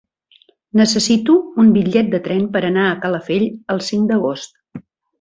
Necessito un bitllet de tren per anar a Calafell el cinc d'agost.